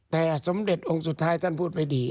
แต่สมเด็จองค์สุดท้ายท่านพูดไม่ดี